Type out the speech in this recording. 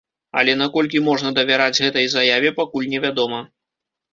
Але наколькі можна давяраць гэтай заяве, пакуль невядома.